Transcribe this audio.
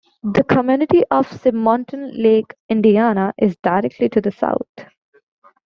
The community of Simonton Lake, Indiana, is directly to the south.